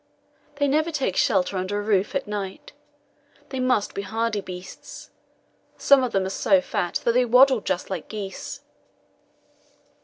They never take shelter under a roof at night. They must be hardy beasts. Some of them are so fat that they waddle just like geese."